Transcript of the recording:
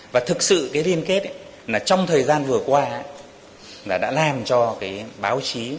và thực sự cái liên kết trong thời gian vừa qua đã làm cho báo chí